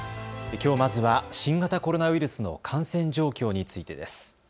きょうまずは新型コロナウイルスの感染状況についてです。